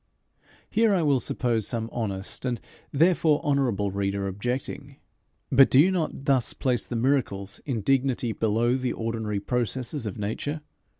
Here I will suppose some honest, and therefore honourable, reader objecting: But do you not thus place the miracles in dignity below the ordinary processes of nature?